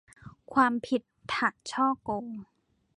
ความผิดฐานฉ้อโกง